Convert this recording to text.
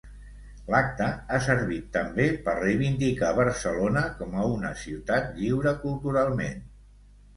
L'acte ha servit també per reivindicar Barcelona com a una "ciutat lliure" culturalment.